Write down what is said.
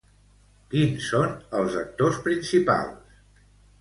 Quins són els actors principals?